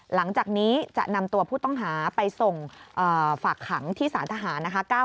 หลังจากนี้จะนำตัวผู้ต้องหาไปส่งฝากขังที่สารทหารนะคะ